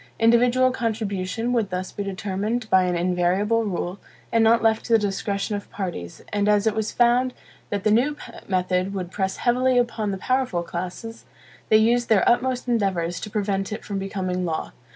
Individual contribution would thus be determined by an invariable rule, and not left to the discretion of parties; and as it was found that the new method would press heavily upon the powerful classes, they used their utmost endeavors to prevent it from becoming law.